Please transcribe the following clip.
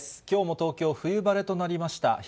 きょうも東京、冬晴れとなりました。